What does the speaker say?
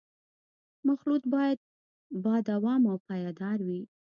مخلوط باید با دوام او پایدار وي